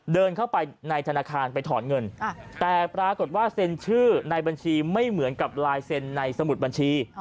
เดินเข้าไปในธนาคารไปถอนเงินแต่ปรากฏว่าเซ็นชื่อในบัญชีไม่เหมือนกับลายเซ็นในสมุดบัญชี